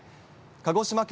鹿児島県